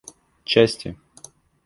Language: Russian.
части